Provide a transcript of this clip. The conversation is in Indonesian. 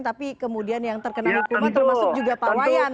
tapi kemudian yang terkenal di rumah termasuk juga pawayan